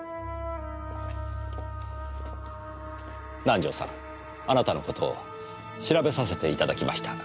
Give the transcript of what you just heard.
南条さんあなたの事を調べさせていただきました。